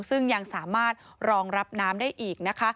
ซึ่งยังสามารถรองรับน้ำได้อีกนะคะ